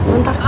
bentar apa sih